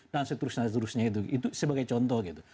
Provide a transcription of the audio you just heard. dan seterusnya seterusnya itu sebagai contoh gitu